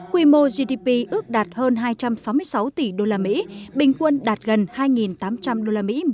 quy mô gdp ước đạt hơn hai trăm sáu mươi sáu tỷ usd bình quân đạt gần hai tám trăm linh usd một